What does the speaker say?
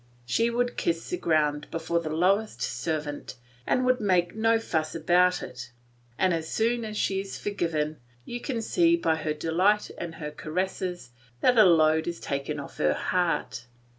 She would kiss the ground before the lowest servant and would make no fuss about it; and as soon as she is forgiven, you can see by her delight and her caresses that a load is taken off her heart.